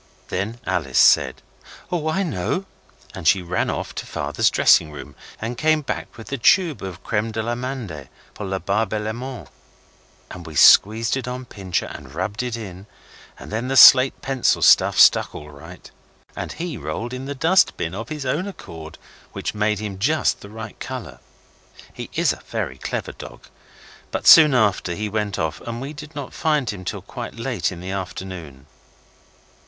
Then Alice said 'Oh, I know!' and she ran off to Father's dressing room, and came back with the tube of creme d'amande pour la barbe et les mains, and we squeezed it on Pincher and rubbed it in, and then the slate pencil stuff stuck all right, and he rolled in the dust bin of his own accord, which made him just the right colour. He is a very clever dog, but soon after he went off and we did not find him till quite late in the afternoon.